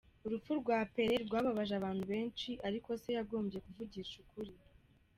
Urupfu rwa Pélé rwababaje abantu benshi, ariko Se yagombye kuvugisha ukuri.